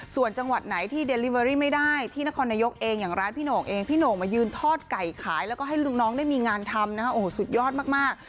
ส่วนจังหวัดไหนที่เดลิเวอรี่ไม่ได้ที่นครนายกเองอย่างร้านพี่โหน่งเองพี่โหน่งมายืนทอดไก่ขายแล้วก็ให้ลูกน้องได้มีงานทำนะฮะโอ้โหสุดยอดมาก